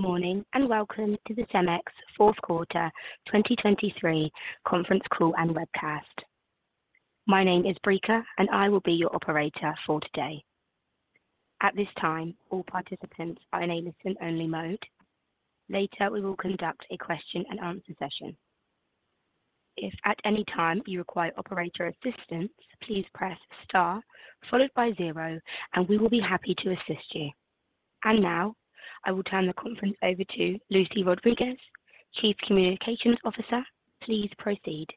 Good morning, and welcome to The CEMEX Fourth Quarter 2023 Conference Call and Webcast. My name is Breaker, and I will be your operator for today. At this time, all participants are in a listen-only mode. Later, we will conduct a question-and-answer session. If at any time you require operator assistance, please press star followed by zero, and we will be happy to assist you. Now I will turn the conference over to Lucy Rodriguez, Chief Communications Officer. Please proceed.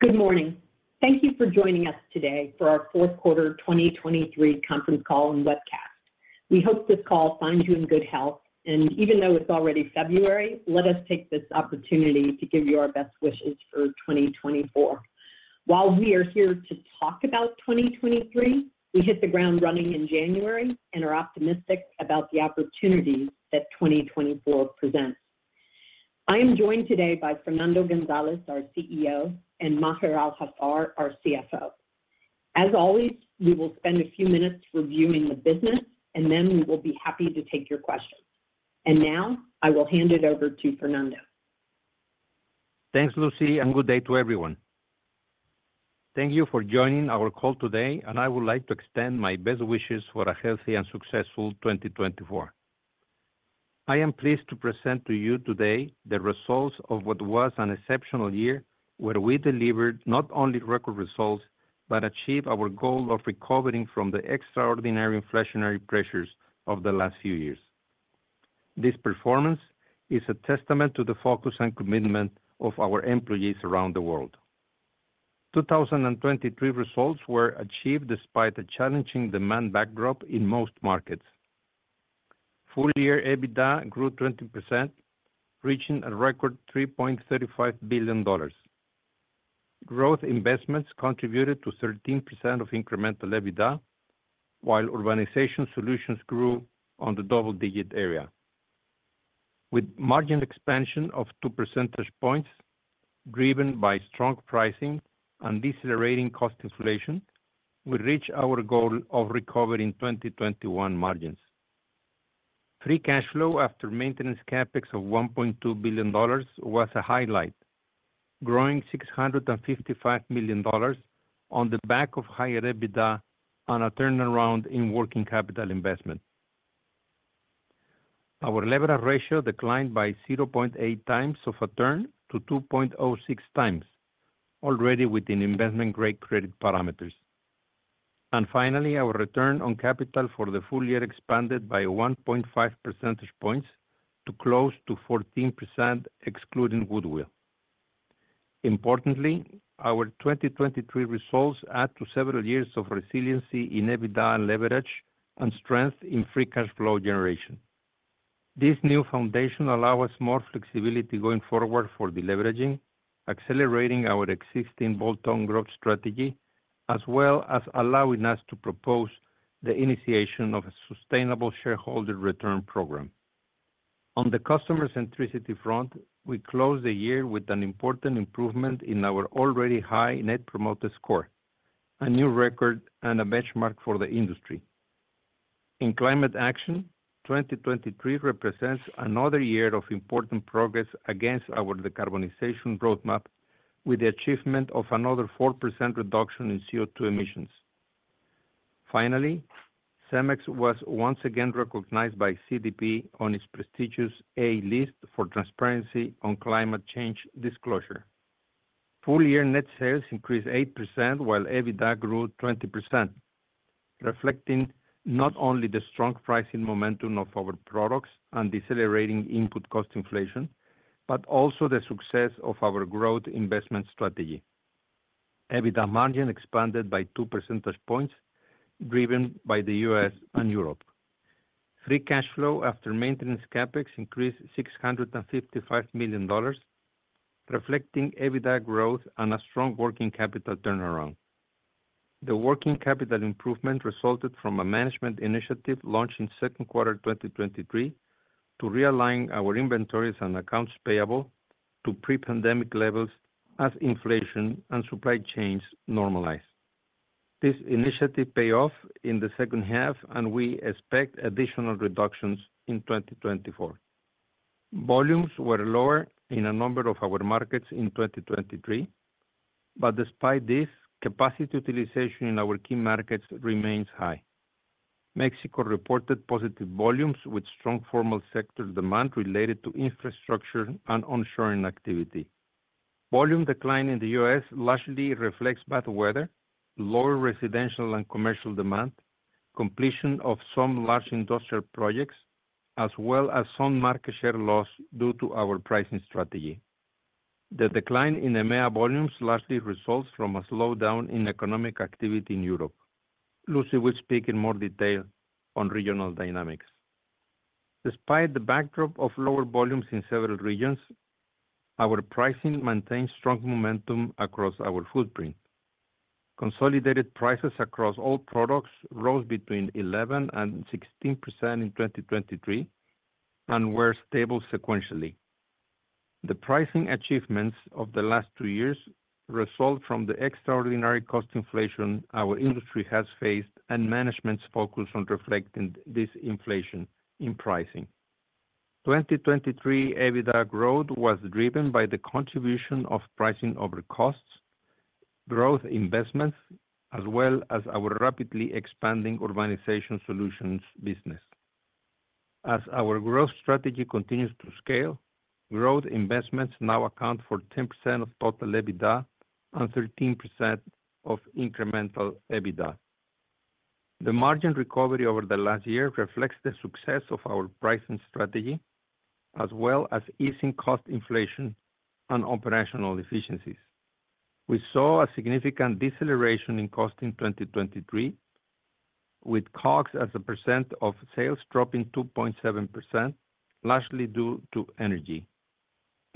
Good morning. Thank you for joining us today for our Fourth Quarter 2023 Conference Call and Webcast. We hope this call finds you in good health, and even though it's already February, let us take this opportunity to give you our best wishes for 2024. While we are here to talk about 2023, we hit the ground running in January and are optimistic about the opportunities that 2024 presents. I am joined today by Fernando González, our CEO, and Maher Al-Haffar, our CFO. As always, we will spend a few minutes reviewing the business, and then we will be happy to take your questions. Now I will hand it over to Fernando. Thanks, Lucy, and good day to everyone. Thank you for joining our call today, and I would like to extend my best wishes for a healthy and successful 2024. I am pleased to present to you today the results of what was an exceptional year, where we delivered not only record results but achieved our goal of recovering from the extraordinary inflationary pressures of the last few years. This performance is a testament to the focus and commitment of our employees around the world. 2023 results were achieved despite a challenging demand backdrop in most markets. Full year EBITDA grew 20%, reaching a record $3.35 billion. Growth investments contributed to 13% of incremental EBITDA, while Urbanization Solutions grew on the double-digit area. With margin expansion of two percentage points, driven by strong pricing and decelerating cost inflation, we reached our goal of recovering 2021 margins. Free cash flow after maintenance CapEx of $1.2 billion was a highlight, growing $655 million on the back of higher EBITDA on a turnaround in working capital investment. Our leverage ratio declined by 0.8x of a turn to 2.06x, already within investment-grade credit parameters. And finally, our return on capital for the full year expanded by percentage points to close to 14%, excluding goodwill. Importantly, our 2023 results add to several years of resiliency in EBITDA and leverage and strength in free cash flow generation. This new foundation allow us more flexibility going forward for deleveraging, accelerating our existing bolt-on growth strategy, as well as allowing us to propose the initiation of a sustainable shareholder return program. On the customer centricity front, we closed the year with an important improvement in our already high Net Promoter Score, a new record and a benchmark for the industry. In climate action, 2023 represents another year of important progress against our decarbonization roadmap, with the achievement of another 4% reduction in CO2 emissions. Finally, CEMEX was once again recognized by CDP on its prestigious A List for transparency on Climate Change Disclosure. Full-year net sales increased 8%, while EBITDA grew 20%, reflecting not only the strong pricing momentum of our products and decelerating input cost inflation, but also the success of our growth investment strategy. EBITDA margin expanded by two percentage points, driven by the U.S. and Europe. Free cash flow after maintenance CapEx increased $655 million, reflecting EBITDA growth and a strong working capital turnaround. The working capital improvement resulted from a management initiative launched in second quarter 2023 to realign our inventories and accounts payable to pre-pandemic levels as inflation and supply chains normalized. This initiative pay off in the second half, and we expect additional reductions in 2024. Volumes were lower in a number of our markets in 2023, but despite this, capacity utilization in our key markets remains high. Mexico reported positive volumes, with strong formal sector demand related to infrastructure and onshoring activity. Volume decline in the U.S. largely reflects bad weather, lower residential and commercial demand, completion of some large industrial projects, as well as some market share loss due to our pricing strategy. The decline in EMEA volumes largely results from a slowdown in economic activity in Europe. Lucy will speak in more detail on regional dynamics. Despite the backdrop of lower volumes in several regions, our pricing maintains strong momentum across our footprint. Consolidated prices across all products rose between 11% and 16% in 2023 and were stable sequentially. The pricing achievements of the last two years result from the extraordinary cost inflation our industry has faced, and management's focus on reflecting this inflation in pricing. 2023 EBITDA growth was driven by the contribution of pricing over costs, growth investments, as well as our rapidly expanding Urbanization Solutions business. As our growth strategy continues to scale, growth investments now account for 10% of total EBITDA and 13% of incremental EBITDA. The margin recovery over the last year reflects the success of our pricing strategy, as well as easing cost inflation and operational efficiencies. We saw a significant deceleration in cost in 2023, with COGS as a percent of sales dropping 2.7%, largely due to energy.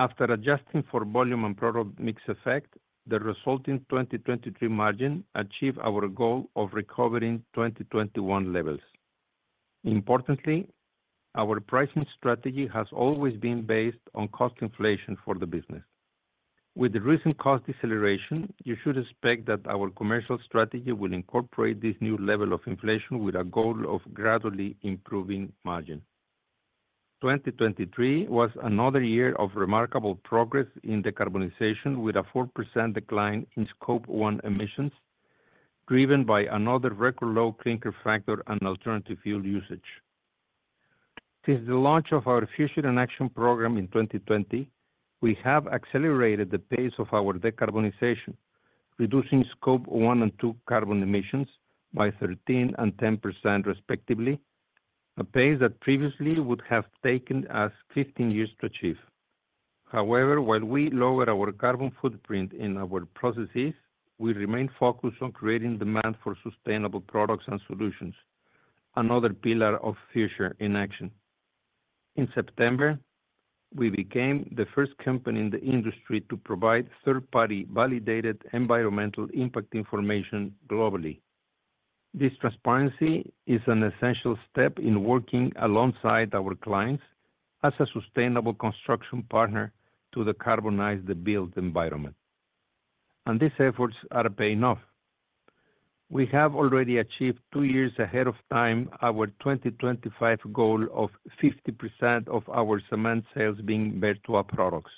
After adjusting for volume and product mix effect, the resulting 2023 margin achieved our goal of recovering 2021 levels. Importantly, our pricing strategy has always been based on cost inflation for the business. With the recent cost deceleration, you should expect that our commercial strategy will incorporate this new level of inflation with a goal of gradually improving margin. 2023 was another year of remarkable progress in decarbonization, with a 4% decline in Scope 1 emissions, driven by another record low clinker factor and alternative fuel usage. Since the launch of our Future in Action program in 2020, we have accelerated the pace of our decarbonization, reducing Scope 1 and 2 carbon emissions by 13% and 10%, respectively, a pace that previously would have taken us 15 years to achieve. However, while we lower our carbon footprint in our processes, we remain focused on creating demand for sustainable products and solutions, another pillar of Future in Action. In September, we became the first company in the industry to provide third-party validated environmental impact information globally. This transparency is an essential step in working alongside our clients as a sustainable construction partner to decarbonize the built environment, and these efforts are paying off. We have already achieved two years ahead of time, our 2025 goal of 50% of our cement sales being Vertua products.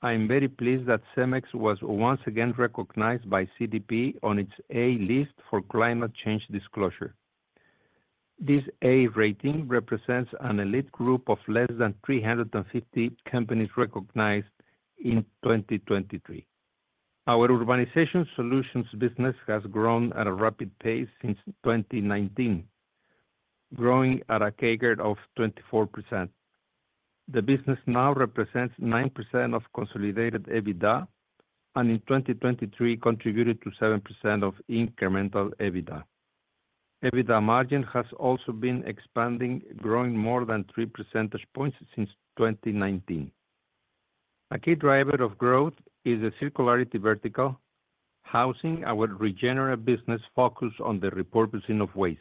Finally, I am very pleased that CEMEX was once again recognized by CDP on its A list for Climate Change Disclosure. This A rating represents an elite group of less than 350 companies recognized in 2023. Our Urbanization Solutions business has grown at a rapid pace since 2019, growing at a CAGR of 24%. The business now represents 9% of consolidated EBITDA, and in 2023, contributed to 7% of incremental EBITDA. EBITDA margin has also been expanding, growing more than three percentage points since 2019. A key driver of growth is the circularity vertical, housing our Regenera business focused on the repurposing of waste.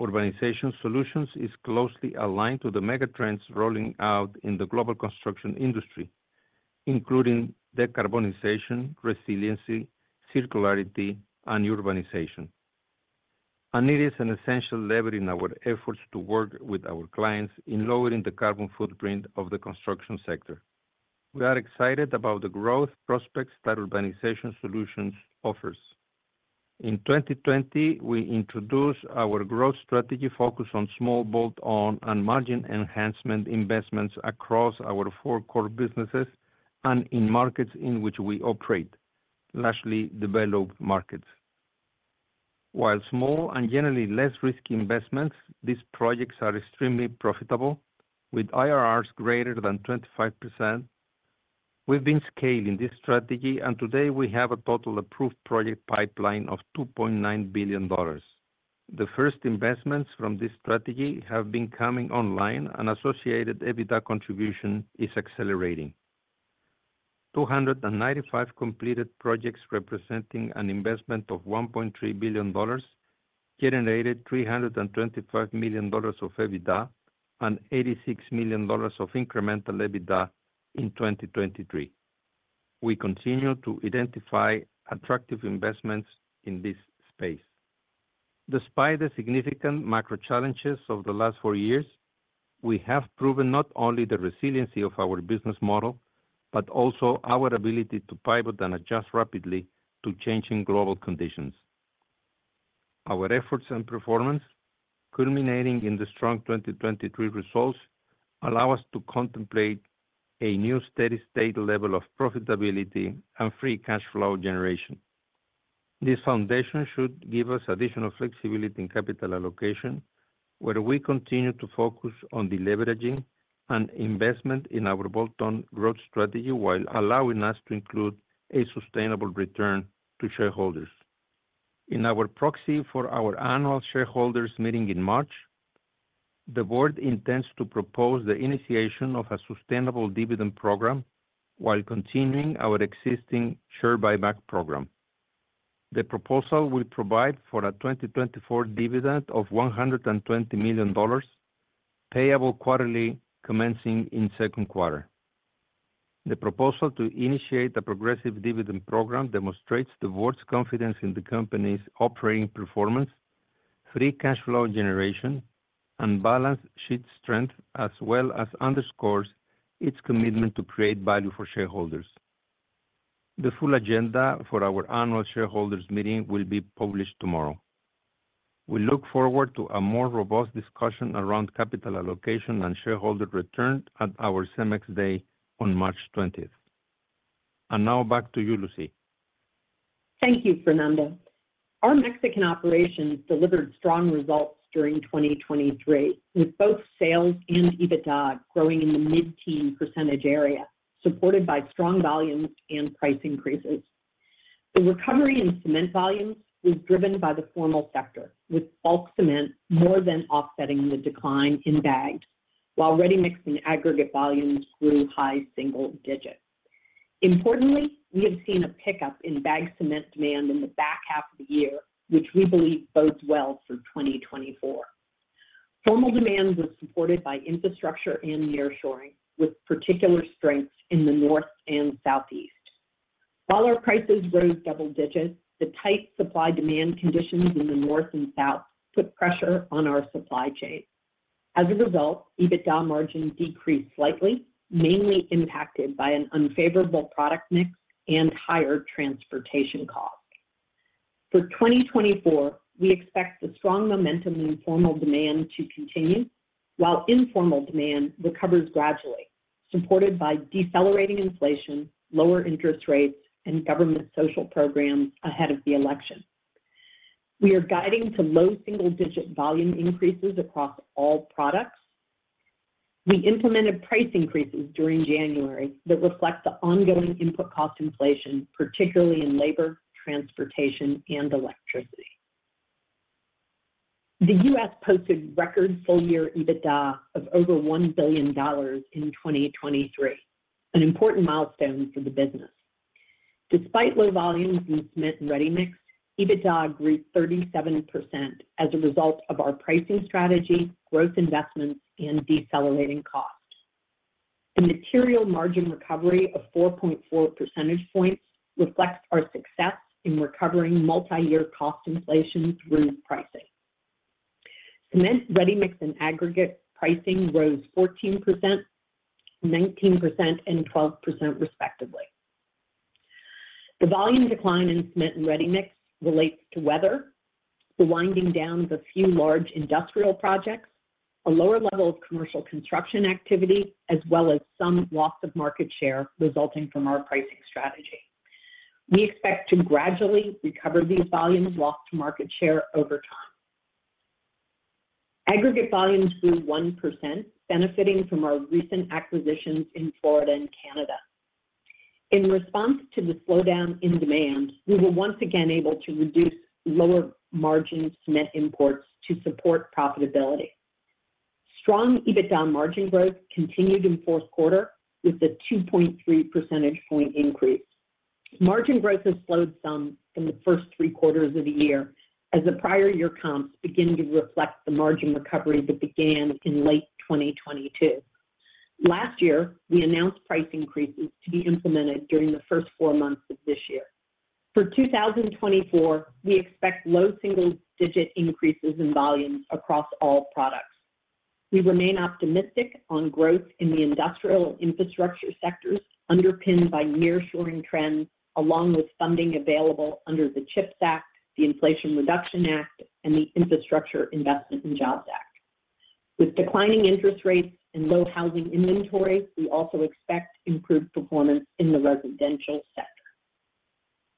Urbanization Solutions is closely aligned to the mega trends rolling out in the global construction industry, including decarbonization, resiliency, circularity, and urbanization. It is an essential lever in our efforts to work with our clients in lowering the carbon footprint of the construction sector. We are excited about the growth prospects that Urbanization Solutions offers. In 2020, we introduced our growth strategy focus on small, bolt-on and margin enhancement investments across our four core businesses and in markets in which we operate, largely developed markets. While small and generally less risky investments, these projects are extremely profitable, with IRRs greater than 25%. We've been scaling this strategy, and today we have a total approved project pipeline of $2.9 billion. The first investments from this strategy have been coming online, and associated EBITDA contribution is accelerating. 295 completed projects, representing an investment of $1.3 billion, generated $325 million of EBITDA and $86 million of incremental EBITDA in 2023. We continue to identify attractive investments in this space. Despite the significant macro challenges of the last four years, we have proven not only the resiliency of our business model, but also our ability to pivot and adjust rapidly to changing global conditions. Our efforts and performance, culminating in the strong 2023 results, allow us to contemplate a new steady state level of profitability and free cash flow generation. This foundation should give us additional flexibility in capital allocation, where we continue to focus on deleveraging and investment in our bolt-on growth strategy, while allowing us to include a sustainable return to shareholders. In our proxy for our annual shareholders meeting in March, the board intends to propose the initiation of a sustainable dividend program while continuing our existing share buyback program. The proposal will provide for a 2024 dividend of $120 million, payable quarterly, commencing in second quarter. The proposal to initiate the progressive dividend program demonstrates the board's confidence in the company's operating performance, free cash flow generation, and balance sheet strength, as well as underscores its commitment to create value for shareholders. The full agenda for our annual shareholders meeting will be published tomorrow. We look forward to a more robust discussion around capital allocation and shareholder return at our CEMEX Day on March 20th. And now back to you, Lucy. Thank you, Fernando. Our Mexican operations delivered strong results during 2023, with both sales and EBITDA growing in the mid-teens%, supported by strong volumes and price increases. The recovery in cement volumes was driven by the formal sector, with bulk cement more than offsetting the decline in bagged, while ready-mix and aggregate volumes grew high single digits. Importantly, we have seen a pickup in bagged cement demand in the back half of the year, which we believe bodes well for 2024. Formal demand was supported by infrastructure and nearshoring, with particular strengths in the North and Southeast. While our prices rose double digits, the tight supply-demand conditions in the North and South put pressure on our supply chain. As a result, EBITDA margin decreased slightly, mainly impacted by an unfavorable product mix and higher transportation costs. For 2024, we expect the strong momentum in formal demand to continue, while informal demand recovers gradually, supported by decelerating inflation, lower interest rates, and government social programs ahead of the election. We are guiding to low single-digit volume increases across all products. We implemented price increases during January that reflect the ongoing input cost inflation, particularly in labor, transportation, and electricity. The U.S. posted record full-year EBITDA of over $1 billion in 2023, an important milestone for the business. Despite low volumes in cement and ready-mix, EBITDA grew 37% as a result of our pricing strategy, growth investments, and decelerating costs. A material margin recovery of four point four percentage points reflects our success in recovering multi-year cost inflation through pricing. Cement, ready-mix, and aggregate pricing rose 14%, 19%, and 12%, respectively. The volume decline in cement and ready-mix relates to weather, the winding down of a few large industrial projects, a lower level of commercial construction activity, as well as some loss of market share resulting from our pricing strategy. We expect to gradually recover these volumes lost to market share over time. Aggregate volumes grew 1%, benefiting from our recent acquisitions in Florida and Canada. In response to the slowdown in demand, we were once again able to reduce lower-margin cement imports to support profitability. Strong EBITDA margin growth continued in fourth quarter with a two point three` percentage point increase. Margin growth has slowed some from the first three quarters of the year as the prior year comps beginning to reflect the margin recovery that began in late 2022. Last year, we announced price increases to be implemented during the first four months of this year. For 2024, we expect low single-digit increases in volumes across all products. We remain optimistic on growth in the industrial infrastructure sectors, underpinned by nearshoring trends, along with funding available under the CHIPS Act, the Inflation Reduction Act, and the Infrastructure Investment and Jobs Act. With declining interest rates and low housing inventory, we also expect improved performance in the residential sector.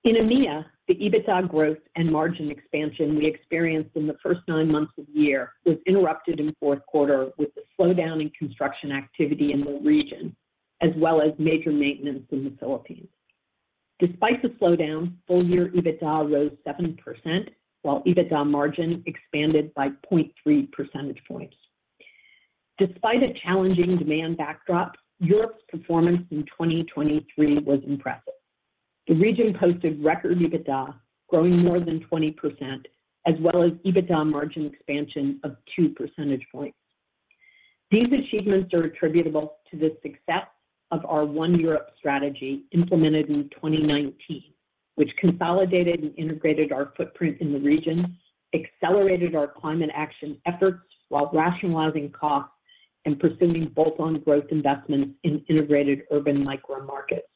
In EMEA, the EBITDA growth and margin expansion we experienced in the first nine months of the year was interrupted in fourth quarter with a slowdown in construction activity in the region, as well as major maintenance in the Philippines. Despite the slowdown, full-year EBITDA rose 7%, while EBITDA margin expanded by zero point three percentage points. Despite a challenging demand backdrop, Europe's performance in 2023 was impressive. The region posted record EBITDA, growing more than 20%, as well as EBITDA margin expansion of two percentage points. These achievements are attributable to the success of our One Europe strategy, implemented in 2019, which consolidated and integrated our footprint in the region, accelerated our climate action efforts while rationalizing costs and pursuing bolt-on growth investments in integrated urban micro markets.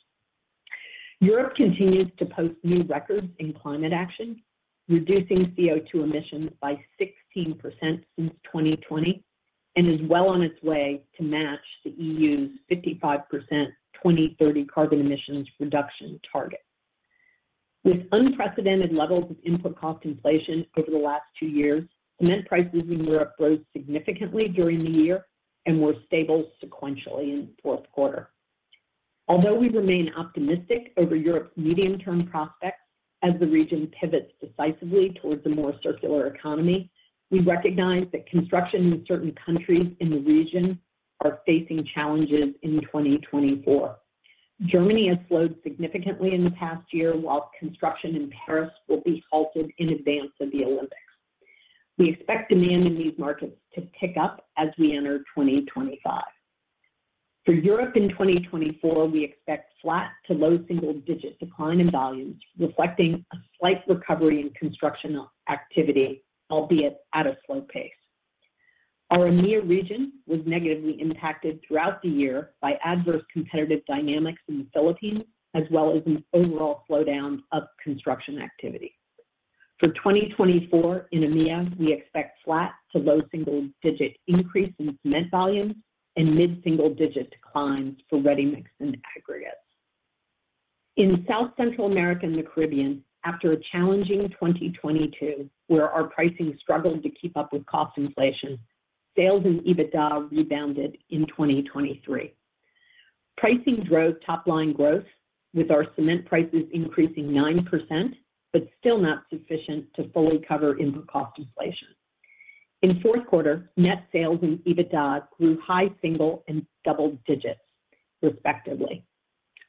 Europe continues to post new records in climate action, reducing CO2 emissions by 16% since 2020, and is well on its way to match the EU's 55% 2030 carbon emissions reduction target. With unprecedented levels of input cost inflation over the last two years, cement prices in Europe rose significantly during the year and were stable sequentially in the fourth quarter. Although we remain optimistic over Europe's medium-term prospects as the region pivots decisively towards a more circular economy, we recognize that construction in certain countries in the region are facing challenges in 2024. Germany has slowed significantly in the past year, while construction in Paris will be halted in advance of the Olympics. We expect demand in these markets to pick up as we enter 2025. For Europe in 2024, we expect flat to low single-digit decline in volumes, reflecting a slight recovery in construction activity, albeit at a slow pace. Our EMEA region was negatively impacted throughout the year by adverse competitive dynamics in the Philippines, as well as an overall slowdown of construction activity. For 2024 in EMEA, we expect flat to low single-digit increase in cement volumes and mid-single-digit declines for ready-mix and aggregates. In South Central America and the Caribbean, after a challenging 2022, where our pricing struggled to keep up with cost inflation, sales and EBITDA rebounded in 2023. Pricing drove top-line growth, with our cement prices increasing 9%, but still not sufficient to fully cover input cost inflation. In fourth quarter, net sales and EBITDA grew high single and double digits, respectively.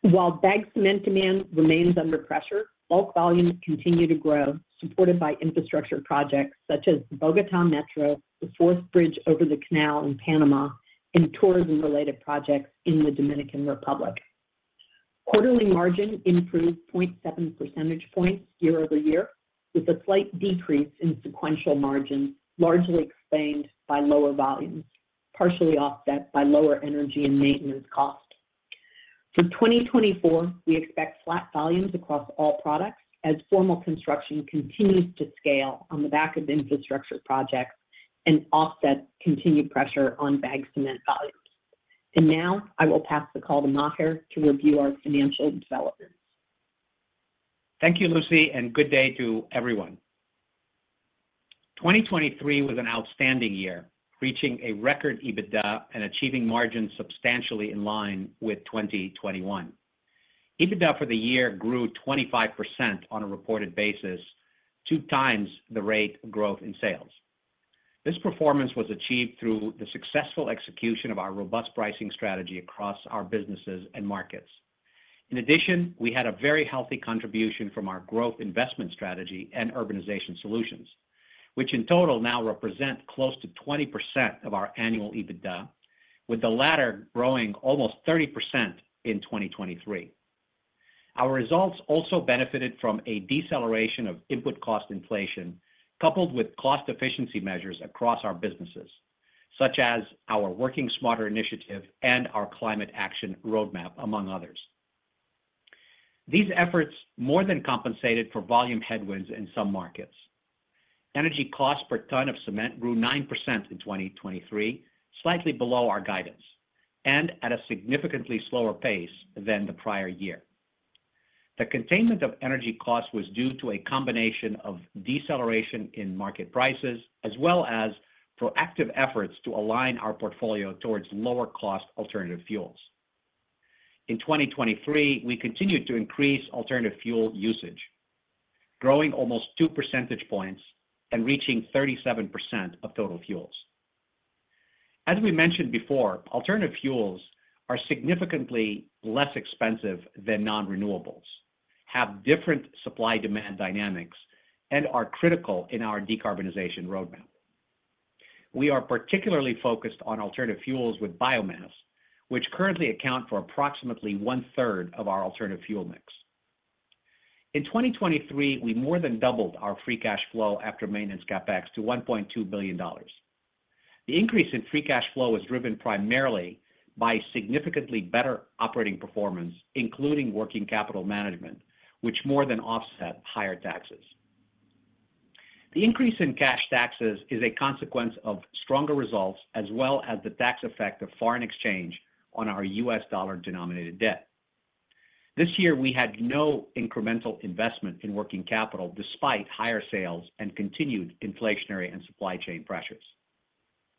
While bag cement demand remains under pressure, bulk volumes continue to grow, supported by infrastructure projects such as Bogota Metro, the 4th Bridge over the Canal in Panama, and tourism-related projects in the Dominican Republic. Quarterly margin improved zero point seven percentage points year-over-year, with a slight decrease in sequential margins, largely explained by lower volumes, partially offset by lower energy and maintenance costs. For 2024, we expect flat volumes across all products as formal construction continues to scale on the back of infrastructure projects and offset continued pressure on bag cement volumes. Now I will pass the call to Maher to review our financial developments. Thank you, Lucy, and good day to everyone. 2023 was an outstanding year, reaching a record EBITDA and achieving margins substantially in line with 2021. EBITDA for the year grew 25% on a reported basis, 2x the rate of growth in sales. This performance was achieved through the successful execution of our robust pricing strategy across our businesses and markets. In addition, we had a very healthy contribution from our growth investment strategy and Urbanization Solutions, which in total now represent close to 20% of our annual EBITDA, with the latter growing almost 30% in 2023. Our results also benefited from a deceleration of input cost inflation, coupled with cost efficiency measures across our businesses, such as our Working Smarter initiative and our Climate Action Roadmap, among others. These efforts more than compensated for volume headwinds in some markets. Energy costs per ton of cement grew 9% in 2023, slightly below our guidance, and at a significantly slower pace than the prior year. The containment of energy costs was due to a combination of deceleration in market prices, as well as proactive efforts to align our portfolio towards lower-cost alternative fuels. In 2023, we continued to increase alternative fuel usage, growing almost two percentage points and reaching 37% of total fuels. As we mentioned before, alternative fuels are significantly less expensive than non-renewables, have different supply-demand dynamics, and are critical in our decarbonization roadmap. We are particularly focused on alternative fuels with biomass, which currently account for approximately 1/3 of our alternative fuel mix. In 2023, we more than doubled our free cash flow after maintenance CapEx to $1.2 billion. The increase in free cash flow was driven primarily by significantly better operating performance, including working capital management, which more than offset higher taxes. The increase in cash taxes is a consequence of stronger results, as well as the tax effect of foreign exchange on our U.S. dollar-denominated debt. This year, we had no incremental investment in working capital, despite higher sales and continued inflationary and supply chain pressures.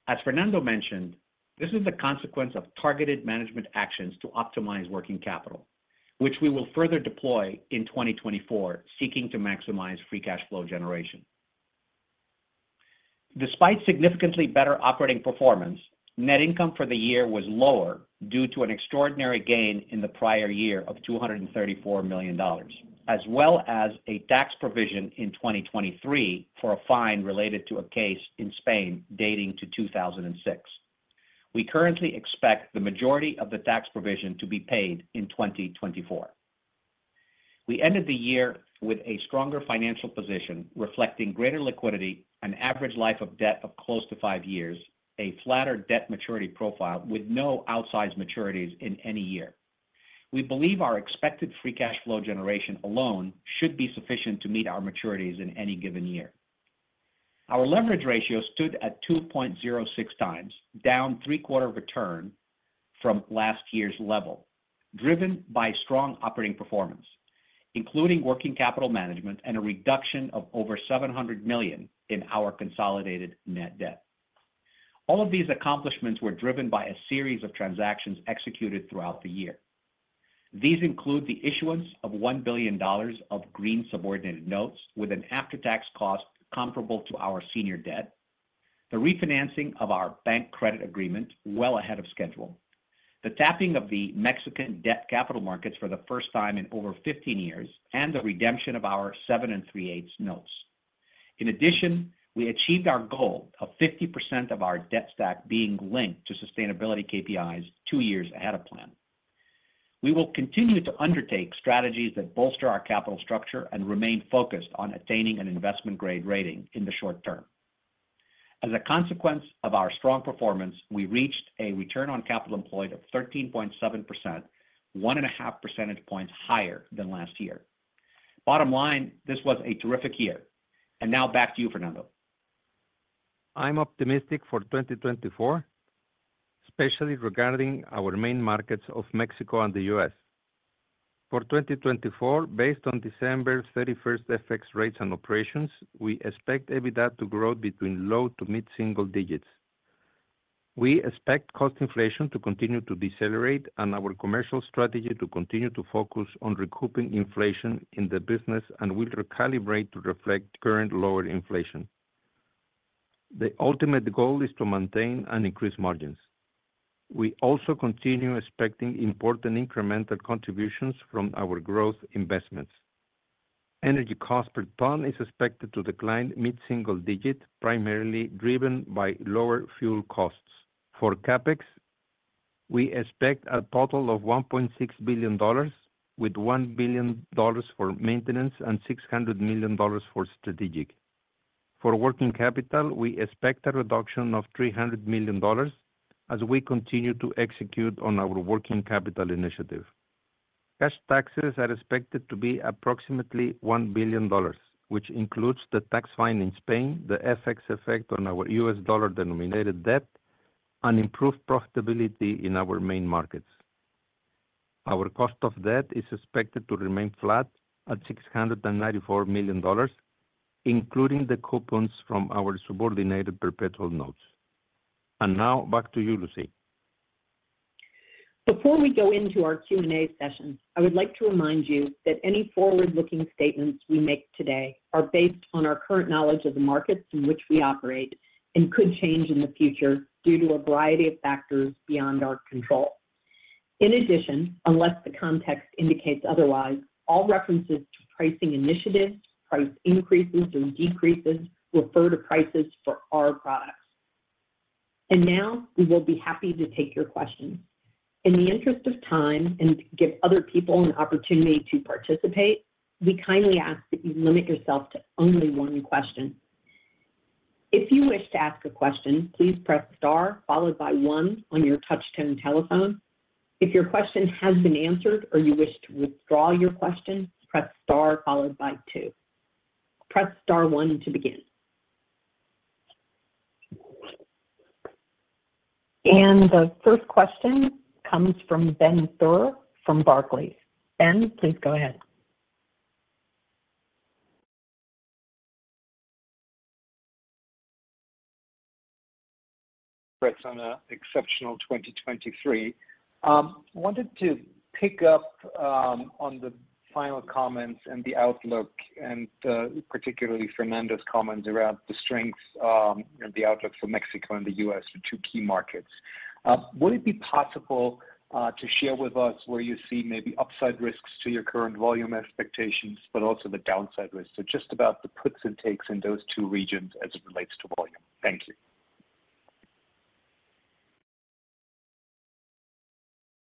As Fernando mentioned, this is the consequence of targeted management actions to optimize working capital, which we will further deploy in 2024, seeking to maximize free cash flow generation. Despite significantly better operating performance, net income for the year was lower due to an extraordinary gain in the prior year of $234 million, as well as a tax provision in 2023 for a fine related to a case in Spain dating to 2006. We currently expect the majority of the tax provision to be paid in 2024. We ended the year with a stronger financial position, reflecting greater liquidity, an average life of debt of close to five years, a flatter debt maturity profile with no outsized maturities in any year. We believe our expected free cash flow generation alone should be sufficient to meet our maturities in any given year. Our leverage ratio stood at 2.06x, down 3/4 of a turn from last year's level, driven by strong operating performance, including working capital management and a reduction of over $700 million in our consolidated net debt. All of these accomplishments were driven by a series of transactions executed throughout the year. These include the issuance of $1 billion of green subordinated notes with an after-tax cost comparable to our senior debt, the refinancing of our bank credit agreement well ahead of schedule, the tapping of the Mexican debt capital markets for the first time in over 15 years, and the redemption of our 7 3/8 notes. In addition, we achieved our goal of 50% of our debt stack being linked to sustainability KPIs two years ahead of plan. We will continue to undertake strategies that bolster our capital structure and remain focused on attaining an investment-grade rating in the short term. As a consequence of our strong performance, we reached a return on capital employed of 13.7%, one and a half percentage points higher than last year. Bottom line, this was a terrific year. Now back to you, Fernando. I'm optimistic for 2024, especially regarding our main markets of Mexico and the U.S. For 2024, based on December 31 FX rates and operations, we expect EBITDA to grow between low- to mid-single digits. We expect cost inflation to continue to decelerate and our commercial strategy to continue to focus on recouping inflation in the business, and will recalibrate to reflect current lower inflation. The ultimate goal is to maintain and increase margins. We also continue expecting important incremental contributions from our growth investments. Energy cost per ton is expected to decline mid-single digit, primarily driven by lower fuel costs. For CapEx, we expect a total of $1.6 billion, with $1 billion for maintenance and $600 million for strategic. For working capital, we expect a reduction of $300 million, as we continue to execute on our working capital initiative. Cash taxes are expected to be approximately $1 billion, which includes the tax fine in Spain, the FX effect on our U.S. dollar-denominated debt, and improved profitability in our main markets. Our cost of debt is expected to remain flat at $694 million, including the coupons from our subordinated perpetual notes. Now back to you, Lucy. Before we go into our Q&A session, I would like to remind you that any forward-looking statements we make today are based on our current knowledge of the markets in which we operate and could change in the future due to a variety of factors beyond our control. In addition, unless the context indicates otherwise, all references to pricing initiatives, price increases, or decreases refer to prices for our products. Now, we will be happy to take your questions. In the interest of time and to give other people an opportunity to participate, we kindly ask that you limit yourself to only one question. If you wish to ask a question, please press star, followed by one on your touch-tone telephone. If your question has been answered or you wish to withdraw your question, press star followed by two. Press star one to begin. The first question comes from Ben Theurer from Barclays. Ben, please go ahead. Congrats on an exceptional 2023. I wanted to pick up on the final comments and the outlook, and particularly Fernando's comments around the strengths and the outlook for Mexico and the U.S., the two key markets. Would it be possible to share with us where you see maybe upside risks to your current volume expectations, but also the downside risks? Just about the puts and takes in those two regions as it relates to volume. Thank you.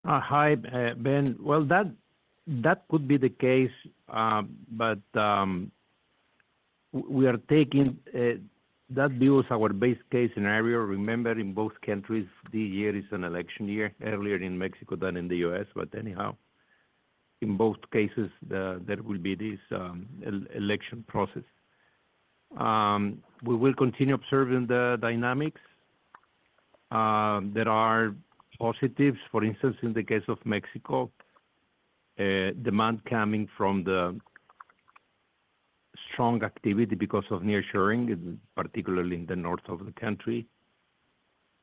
Hi, Ben. Well, that could be the case, but we are taking. That builds our base case scenario. Remember, in both countries, this year is an election year, earlier in Mexico than in the U.S., but anyhow, in both cases, there will be this election process. We will continue observing the dynamics. There are positives. For instance, in the case of Mexico, demand coming from the strong activity because of nearshoring, particularly in the north of the country.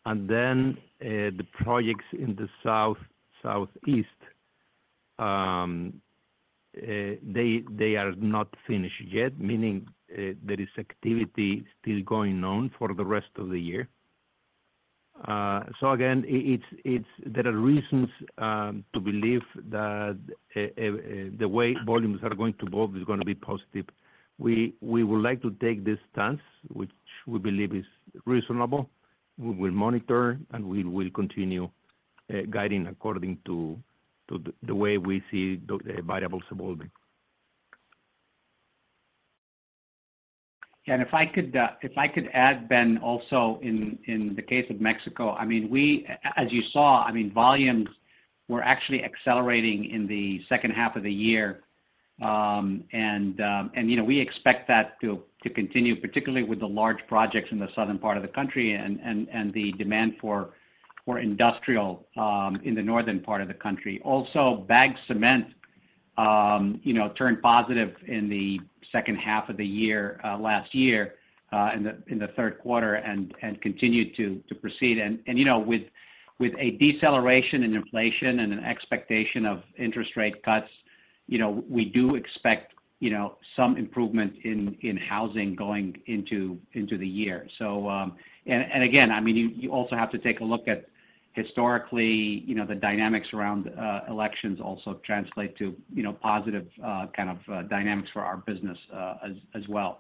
And then, the projects in the south, southeast, they are not finished yet, meaning there is activity still going on for the rest of the year. So again, there are reasons to believe that the way volumes are going to move is gonna be positive. We would like to take this stance, which we believe is reasonable. We will monitor, and we will continue guiding according to the way we see the variables evolving. And if I could, if I could add, Ben, also in the case of Mexico, I mean, we, as you saw, I mean, volumes were actually accelerating in the second half of the year. And, you know, we expect that to continue, particularly with the large projects in the southern part of the country and the demand for industrial in the northern part of the country. Also, bag cement, you know, turned positive in the second half of the year, last year, in the third quarter, and continued to proceed. And, you know, with a deceleration in inflation and an expectation of interest rate cuts, you know, we do expect, you know, some improvement in housing going into the year. So, and again, I mean, you also have to take a look at historically, you know, the dynamics around elections also translate to, you know, positive kind of dynamics for our business, as well.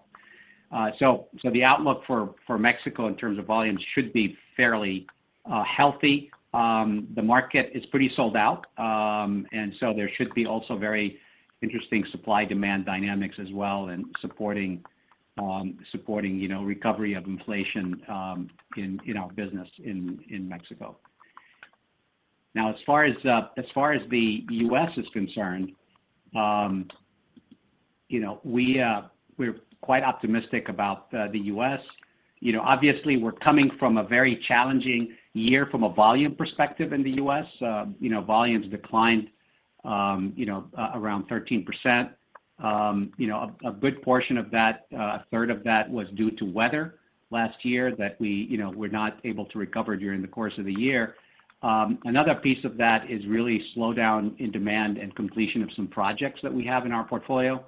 So, the outlook for Mexico in terms of volumes should be fairly healthy. The market is pretty sold out, and so there should be also very interesting supply-demand dynamics as well in supporting, you know, recovery of inflation, in our business in Mexico. Now, as far as the U.S is concerned, you know, we're quite optimistic about the U.S. You know, obviously we're coming from a very challenging year from a volume perspective in the U.S. You know, volumes declined, you know, around 13%. You know, a good portion of that, 1/3 of that was due to weather last year that we, you know, were not able to recover during the course of the year. Another piece of that is really slowdown in demand and completion of some projects that we have in our portfolio.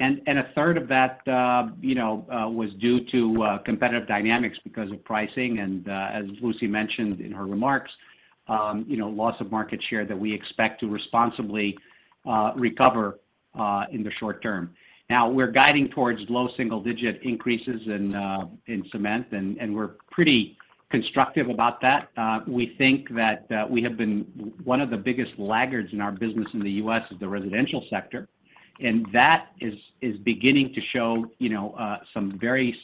1/3 of that, you know, was due to competitive dynamics because of pricing, and as Lucy mentioned in her remarks, you know, loss of market share that we expect to responsibly recover in the short term. Now, we're guiding towards low single-digit increases in cement, and we're pretty constructive about that. We think that one of the biggest laggards in our business in the U.S. is the residential sector, and that is beginning to show, you know, some very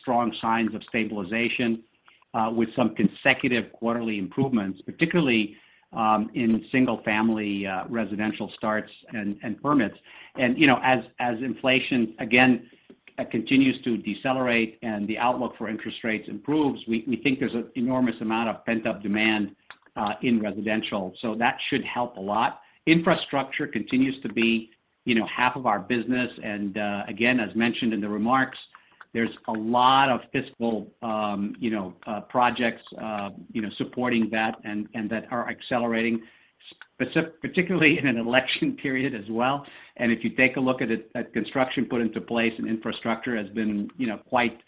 strong signs of stabilization, with some consecutive quarterly improvements, particularly in single-family residential starts and permits. You know, as inflation again continues to decelerate and the outlook for interest rates improves, we think there's an enormous amount of pent-up demand in residential, so that should help a lot. Infrastructure continues to be, you know, half of our business, and again, as mentioned in the remarks, there's a lot of fiscal projects you know supporting that and that are accelerating, particularly in an election period as well. If you take a look at it, construction put in place and infrastructure has been, you know, quite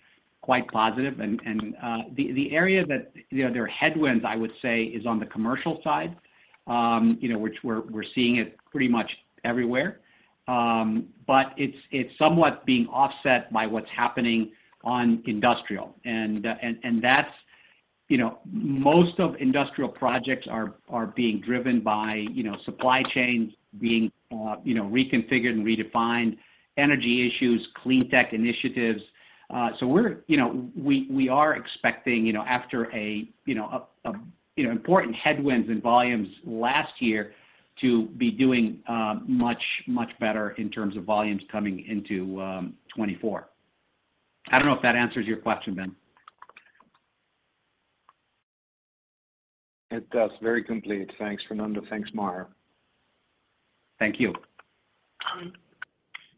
positive. The area that, you know, there are headwinds, I would say, is on the commercial side, you know, which we're seeing pretty much everywhere. But it's somewhat being offset by what's happening on industrial. And that's... You know, most of industrial projects are being driven by, you know, supply chains being reconfigured and redefined, energy issues, clean tech initiatives. So we're, you know, we are expecting, you know, after important headwinds in volumes last year to be doing much better in terms of volumes coming into 2024. I don't know if that answers your question, Ben. It does. Very complete. Thanks, Fernando. Thanks, Maher. Thank you.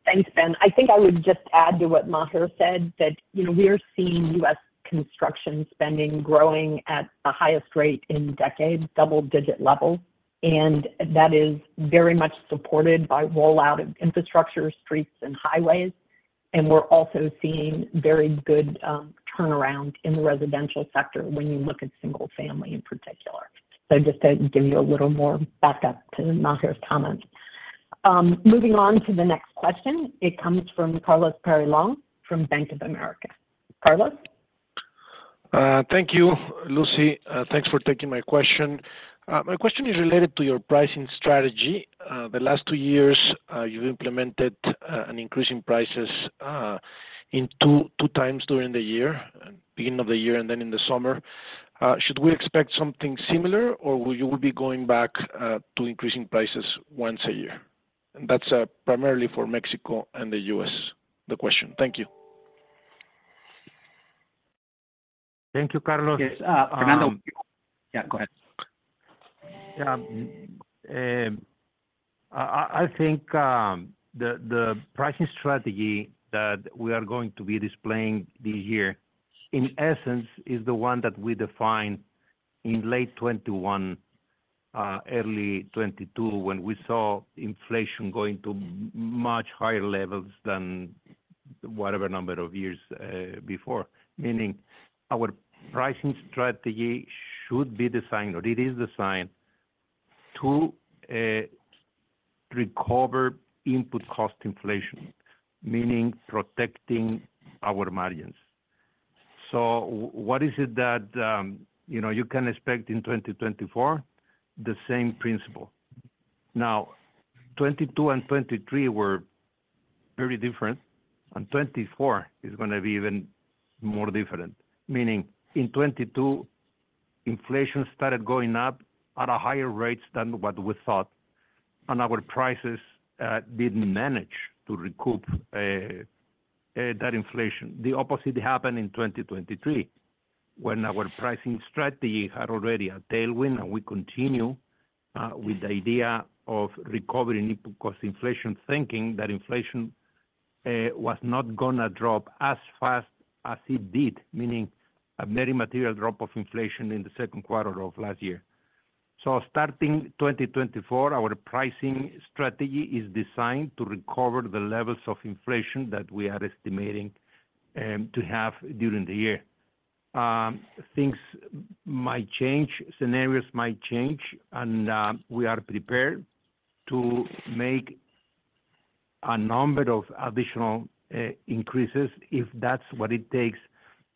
Thanks, Ben. I think I would just add to what Maher said, that, you know, we are seeing U.S. construction spending growing at the highest rate in decades, double-digit levels, and that is very much supported by rollout of infrastructure, streets, and highways. And we're also seeing very good turnaround in the residential sector when you look at single family in particular. So just to give you a little more backup to Maher's comments. Moving on to the next question. It comes from Carlos Peyrelongue, from Bank of America. Carlos? Thank you, Lucy. Thanks for taking my question. My question is related to your pricing strategy. The last two years, you've implemented an increase in prices in two times during the year, beginning of the year and then in the summer. Should we expect something similar, or will you be going back to increasing prices once a year? And that's primarily for Mexico and the U.S., the question. Thank you. Thank you, Carlos. Yes, Fernando. Yeah, go ahead. I think the pricing strategy that we are going to be displaying this year, in essence, is the one that we defined in late 2021, early 2022, when we saw inflation going to much higher levels than whatever number of years before. Meaning our pricing strategy should be designed, or it is designed, to recover input cost inflation, meaning protecting our margins. So what is it that, you know, you can expect in 2024? The same principle. Now, 2022 and 2023 were very different, and 2024 is gonna be even more different. Meaning, in 2022, inflation started going up at a higher rate than what we thought, and our prices didn't manage to recoup that inflation. The opposite happened in 2023. When our pricing strategy had already a tailwind, and we continue with the idea of recovering input cost inflation, thinking that inflation was not gonna drop as fast as it did, meaning a very material drop of inflation in the second quarter of last year. So starting 2024, our pricing strategy is designed to recover the levels of inflation that we are estimating to have during the year. Things might change, scenarios might change, and we are prepared to make a number of additional increases if that's what it takes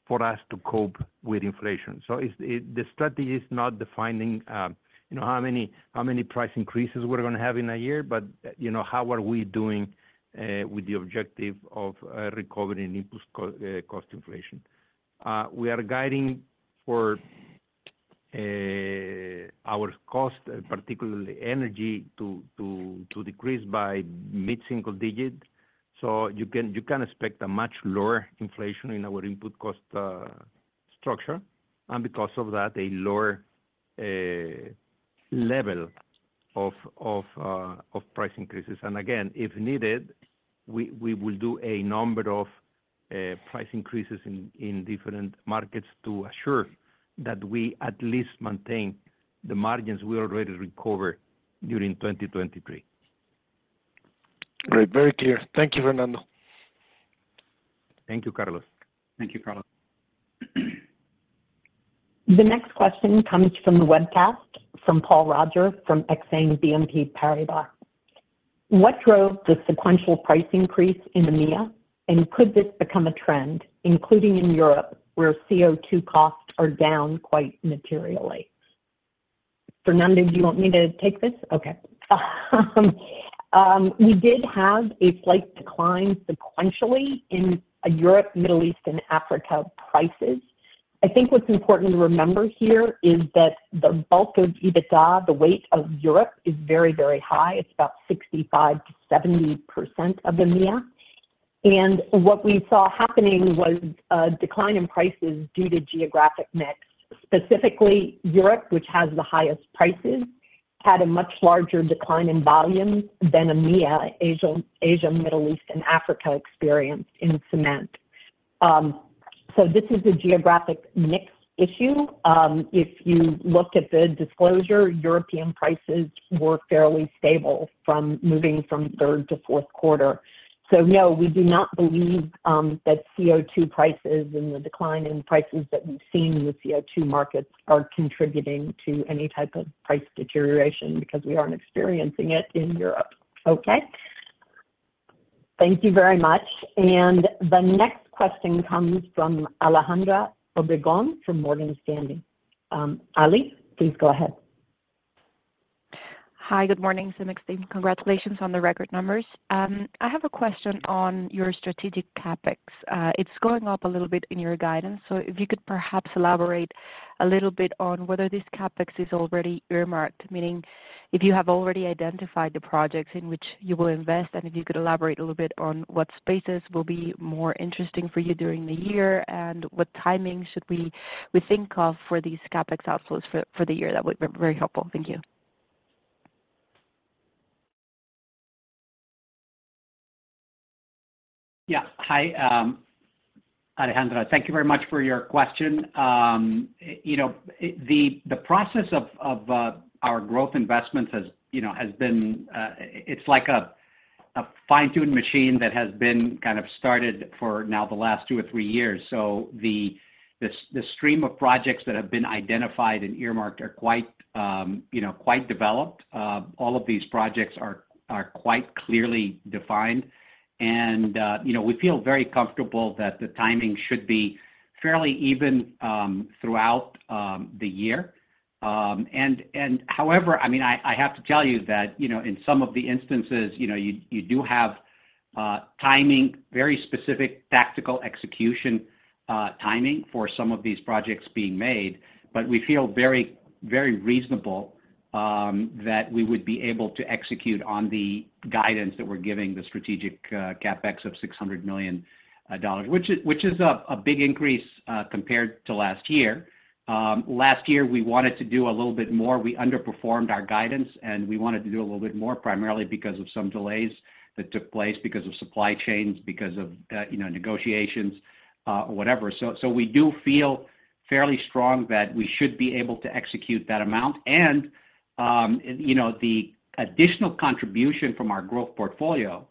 for us to cope with inflation. So it's the strategy is not defining, you know, how many price increases we're gonna have in a year, but, you know, how are we doing with the objective of recovering input cost inflation? We are guiding for our cost, particularly energy, to decrease by mid-single digit. So you can expect a much lower inflation in our input cost structure, and because of that, a lower level of price increases. And again, if needed, we will do a number of price increases in different markets to assure that we at least maintain the margins we already recovered during 2023. Great. Very clear. Thank you, Fernando. Thank you, Carlos. Thank you, Carlos. The next question comes from the webcast, from Paul Roger, from Exane BNP Paribas. What drove the sequential price increase in EMEA, and could this become a trend, including in Europe, where CO2 costs are down quite materially? Fernando, do you want me to take this? Okay. We did have a slight decline sequentially in Europe, Middle East, and Africa prices. I think what's important to remember here is that the bulk of EBITDA, the weight of Europe is very, very high. It's about 65%-70% of EMEA. What we saw happening was a decline in prices due to geographic mix. Specifically, Europe, which has the highest prices, had a much larger decline in volume than EMEA, Asia, Middle East, and Africa experienced in cement. So this is a geographic mix issue. If you looked at the disclosure, European prices were fairly stable from moving from third to fourth quarter. So no, we do not believe that CO2 prices and the decline in prices that we've seen in the CO2 markets are contributing to any type of price deterioration, because we aren't experiencing it in Europe. Okay. Thank you very much. And the next question comes from Alejandra Obregon from Morgan Stanley. Ali, please go ahead. Hi, good morning, CEMEX team. Congratulations on the record numbers. I have a question on your strategic CapEx. It's going up a little bit in your guidance, so if you could perhaps elaborate a little bit on whether this CapEx is already earmarked, meaning if you have already identified the projects in which you will invest, and if you could elaborate a little bit on what spaces will be more interesting for you during the year, and what timing should we think of for these CapEx outflows for the year? That would be very helpful. Thank you. Yeah. Hi, Alejandra, thank you very much for your question. You know, the process of our growth investments has, you know, has been... It's like a fine-tuned machine that has been kind of started for now the last two or three years. So the stream of projects that have been identified and earmarked are quite, you know, quite developed. All of these projects are quite clearly defined. And, you know, we feel very comfortable that the timing should be fairly even throughout the year. And however, I mean, I have to tell you that, you know, in some of the instances, you know, you do have timing, very specific tactical execution, timing for some of these projects being made. But we feel very, very reasonable that we would be able to execute on the guidance that we're giving, the strategic CapEx of $600 million, which is a big increase compared to last year. Last year, we wanted to do a little bit more. We underperformed our guidance, and we wanted to do a little bit more, primarily because of some delays that took place because of supply chains, because of, you know, negotiations or whatever. So we do feel fairly strong that we should be able to execute that amount. And, you know, the additional contribution from our growth portfolio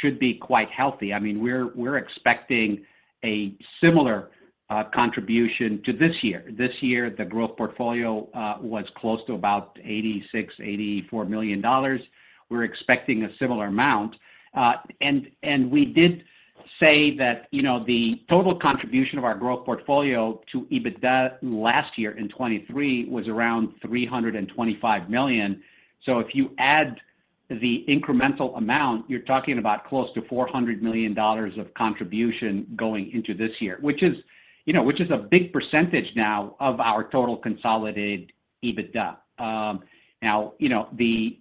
should be quite healthy. I mean, we're expecting a similar contribution to this year. This year, the growth portfolio was close to about$ 84 million. We're expecting a similar amount. And we did say that, you know, the total contribution of our growth portfolio to EBITDA last year in 2023 was around $325 million. So if you add the incremental amount, you're talking about close to $400 million of contribution going into this year, which is, you know, which is a big percentage now of our total consolidated EBITDA. Now, you know, the